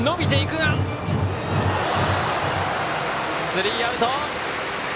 スリーアウト！